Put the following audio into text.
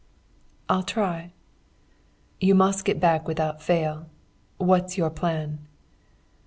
"'I'll try.' "'You must get back without fail. What's your plan?'